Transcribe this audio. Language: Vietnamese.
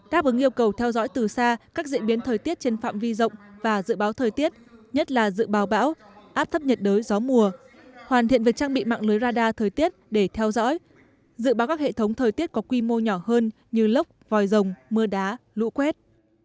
đáp ứng yêu cầu theo dõi từ xa các diễn biến thời tiết trên phạm vi rộng và dự báo thời tiết nhất là dự báo bão áp thấp nhiệt đới gió mùa hoàn thiện việc trang bị mạng lưới radar thời tiết để theo dõi dự báo các hệ thống thời tiết có quy mô nhỏ hơn như lốc vòi rồng mưa đá lũ quét